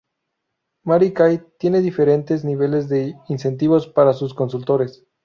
Mary Kay tiene diferentes niveles de incentivos para sus consultores.